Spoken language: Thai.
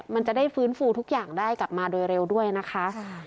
มันจะได้ฟื้นฟูทุกอย่างได้กลับมาโดยเร็วด้วยนะคะ